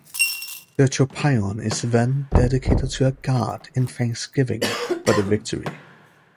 The "tropaion" is then dedicated to a god in thanksgiving for the victory.